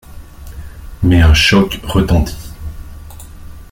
Mais un choc retentit.